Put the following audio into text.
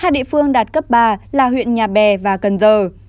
hai địa phương đạt cấp ba là huyện nhà bè và cần giờ